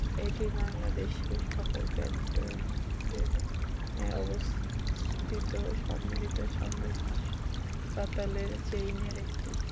এটি বাংলাদেশের সকল ক্যান্টনমেন্টে অবস্থিত সম্মিলিত সামরিক হাসপাতালের চেইনের একটি।